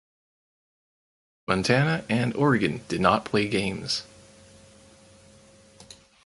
Montana and Oregon did not play games.